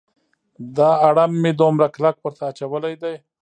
دا اړم مې دومره کلک ورته اچولی دی.